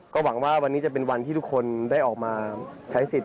ก็หวังว่าวันนี้จะเป็นวันที่ทุกคนได้ออกมาใช้สิทธิ